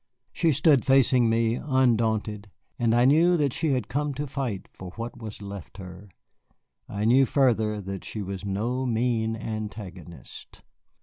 She stood facing me, undaunted, and I knew that she had come to fight for what was left her. I knew further that she was no mean antagonist.